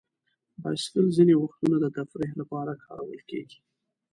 بایسکل ځینې وختونه د تفریح لپاره کارول کېږي.